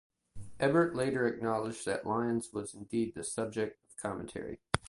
Ebert later acknowledged that Lyons was indeed the subject of the commentary.